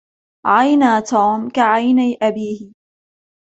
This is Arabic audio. عينا توم كعيني أبيه.